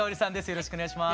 よろしくお願いします。